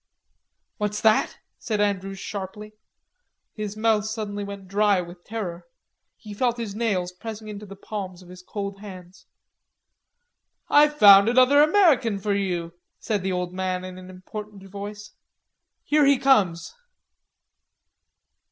"What's that?" said Andrews sharply. His mouth suddenly went dry with terror. He felt his nails pressing into the palms of his cold hands. "I've found another American for you," said the old man in an important voice. "Here he comes."